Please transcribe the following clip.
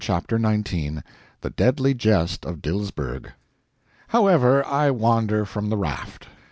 CHAPTER XIX [The Deadly Jest of Dilsberg] However, I wander from the raft.